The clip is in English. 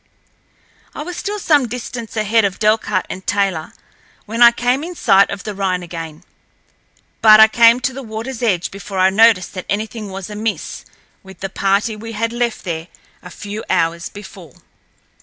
I was still some distance ahead of Delcarte and Taylor, when I came in sight of the Rhine again. But I came to the waterl's edge before I noticed that anything was amiss with the party we had left there a few hours before.